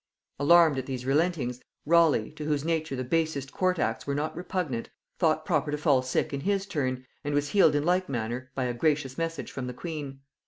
Alarmed at these relentings, Raleigh, to whose nature the basest court arts were not repugnant, thought proper to fall sick in his turn, and was healed in like manner by a gracious message from the queen.